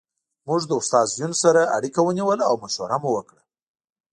موږ له استاد یون سره اړیکه ونیوله او مشوره مو وکړه